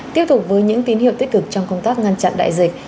tiếp tục với những tín hiệu tích cực trong công tác ngăn chặn đại dịch